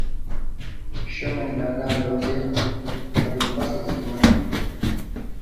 Chemin de la Gare de Rosières à Dombasle-sur-Meurthe